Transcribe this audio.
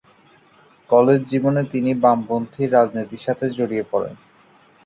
College জীবনে তিনি বামপন্থী রাজনীতির সাথে জড়িয়ে পড়েন।